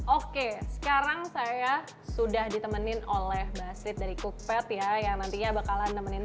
oke sekarang saya sudah ditemenin oleh basrid dari cookpad ya yang nantinya bakalan nemenin